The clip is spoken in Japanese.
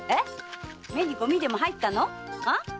目にゴミでも入ったの？